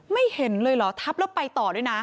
ไม่เห็นเลยเหรอทับแล้วไปต่อด้วยนะ